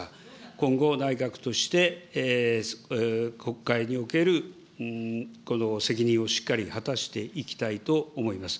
今後、内閣として、国会における責任をしっかり果たしていきたいと思います。